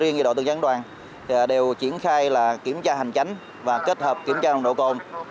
đội cảnh sát giao thông tuần tra dẫn đoàn đều kiểm tra hành tránh và kết hợp kiểm tra nồng độ cồn